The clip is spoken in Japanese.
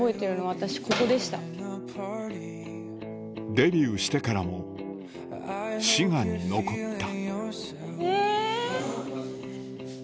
デビューしてからも滋賀に残ったえ！